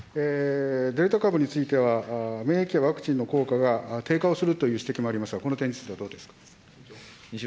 デルタ株については、免疫やワクチンの効果が低下をするという指摘もありますが、この点についてはどうですか。